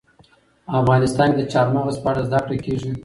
افغانستان کې د چار مغز په اړه زده کړه کېږي.